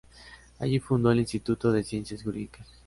Allí fundó el Instituto de Ciencias Jurídicas.